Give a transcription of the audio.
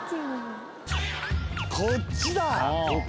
こっちだ！